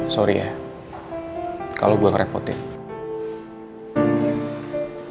sorry ya kalau gue ngerepotin